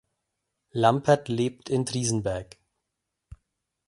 Lampert lebt in Triesenberg.